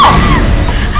dampun obat jeruk pertama